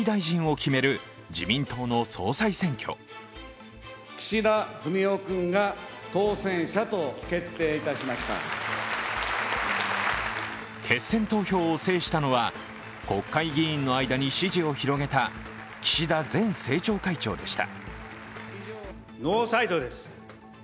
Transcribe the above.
決選投票を制したのは国会議員の間に支持を広げた岸田前政調会長でした。